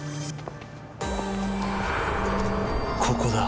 ここだ。